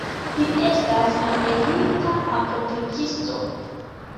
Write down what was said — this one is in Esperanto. Li estas emerita apotekisto.